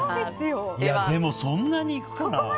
でも、そんなにいくかな？